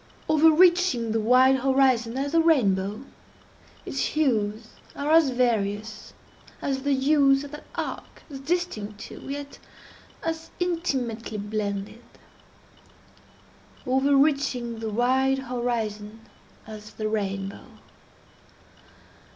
Overreaching the wide horizon as the rainbow, its hues are as various as the hues of that arch—as distinct too, yet as intimately blended. Overreaching the wide horizon as the rainbow!